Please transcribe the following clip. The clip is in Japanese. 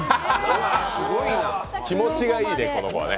気持ちがいいね、この子はね。